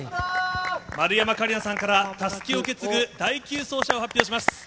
丸山桂里奈さんからたすきを受け継ぐ、第９走者を発表します。